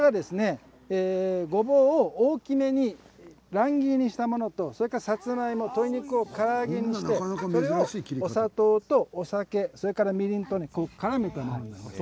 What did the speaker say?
ごぼうを大きめに乱切りにしたものとそれから、さつまいも、鶏肉をから揚げにしたものそして、お砂糖とお酒みりんをからめたものです。